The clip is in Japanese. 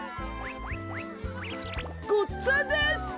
ごっつぁんです！